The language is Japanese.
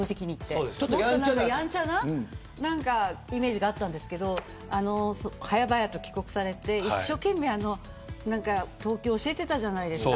やんちゃなイメージがあったんですけど早々と帰国されて一生懸命、投球を教えていたじゃないですか。